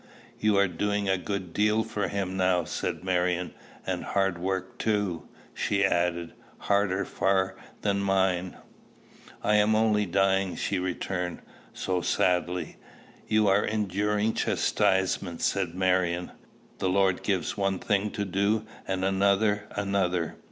"You are doing a good deal for him now," said Marion, "and hard work too!" she added; "harder far than mine." "I am only dying," she returned so sadly! "You are enduring chastisement," said Marion. "The Lord gives one one thing to do, and another another.